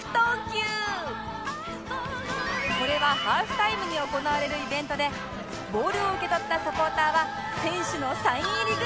これはハーフタイムに行われるイベントでボールを受け取ったサポーターは選手のサイン入りグッズをもらう事ができるんです！